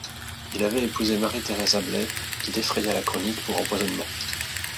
Il avait épousé Marie-Thérèse Ablaÿ, qui défraya la chronique pour empoisonnement.